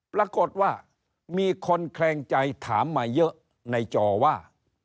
ปรากฏว่ามีคนแคลงใจถามมาเยอะในจอว่า